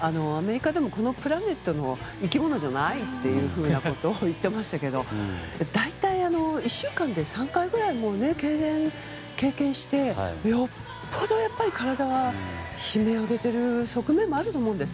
アメリカでもこのプラネットの生き物じゃないっていうふうなことを言っていましたけど大体、１週間で３回ぐらいけいれんを経験してよっぽど、体は悲鳴を上げている側面もあると思うんです。